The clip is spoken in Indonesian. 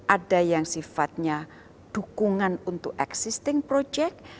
ada yang sifatnya dukungan untuk existing project